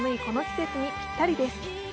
この季節にぴったりです。